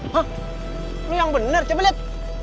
hah lu yang bener coba lihat